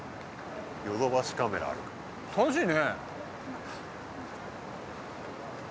ヨドバシカメラある楽しいね